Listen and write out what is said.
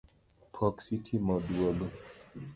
Pok sitima oduogo